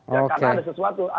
ya karena ada sesuatu